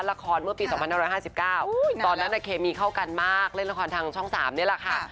ละครเมื่อปี๒๕๕๙ตอนนั้นเคมีเข้ากันมากเล่นละครทางช่อง๓นี่แหละค่ะ